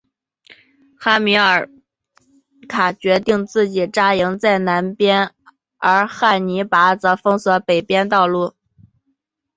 哈米尔卡决定自己扎营在南边而汉尼拔则封锁北面道路。